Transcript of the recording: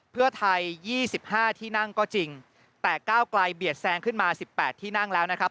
เพื่อไทย๒๕ที่นั่งก็จริงแต่ก้าวไกลเบียดแซงขึ้นมา๑๘ที่นั่งแล้วนะครับ